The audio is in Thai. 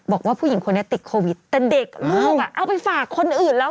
บอกว่าผู้หญิงคนนี้ติดโควิดแต่เด็กลูกอ่ะเอาไปฝากคนอื่นแล้ว